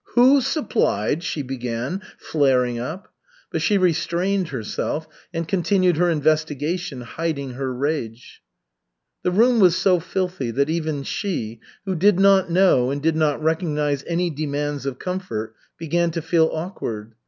"Who supplied ?" she began, flaring up. But she restrained herself, and continued her investigation, hiding her rage. The room was so filthy that even she, who did not know and did not recognize any demands of comfort, began to feel awkward.